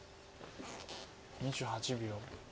２８秒。